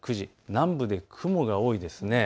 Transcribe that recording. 南部で雲が多いです。